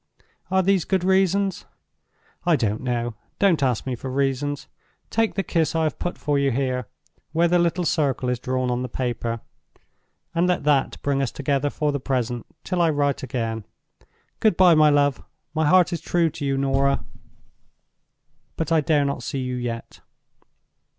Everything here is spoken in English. Are these good reasons? I don't know—don't ask me for reasons. Take the kiss I have put for you here, where the little circle is drawn on the paper; and let that bring us together for the present till I write again. Good by, my love. My heart is true to you, Norah, but I dare not see you yet.